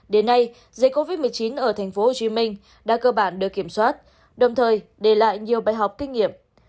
đến nay dịch covid một mươi chín ở tp hcm đã cơ bản được kiểm soát đồng thời đề lại nhiều bài học kinh nghiệm